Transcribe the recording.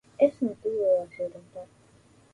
Es nativo de Asia Oriental.